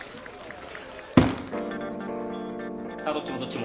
さあどっちもどっちも。